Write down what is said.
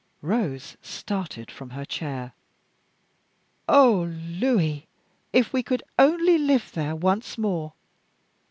Rose started from her chair. "Oh, Louis, if we could only live there once more!